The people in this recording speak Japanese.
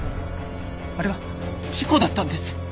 あれは事故だったんです！